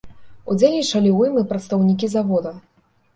Удзельнічалі ў ім і прадстаўнікі завода.